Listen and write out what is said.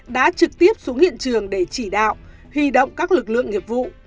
đã trực tiếp xuống hiện trường để chỉ đạo huy động các lực lượng nghiệp vụ